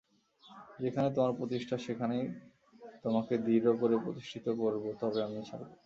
যেখানে তোমার প্রতিষ্ঠা সেইখানেই তোমাকে দৃঢ় করে প্রতিষ্ঠিত করব তবে আমি ছাড়ব।